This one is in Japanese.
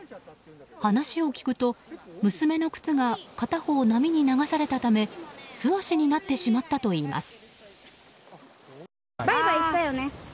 話を聞くと、娘の靴が片方、波に流されたため素足になってしまったといいます。